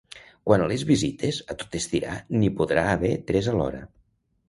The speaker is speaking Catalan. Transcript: Quant a les visites, a tot estirar n’hi podrà haver tres alhora.